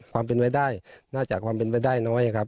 ความเป็นไว้ได้น่าจะความเป็นไปได้น้อยครับ